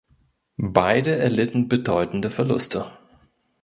Beide erlitten bedeutende Verluste.